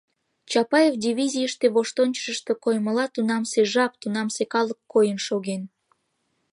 Чапаев дивизийыште, воштончышышто коймыла, тунамсе жап, тунамсе калык койын шоген...